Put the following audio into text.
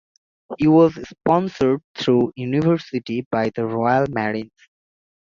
He was sponsored through university by the Royal Marines.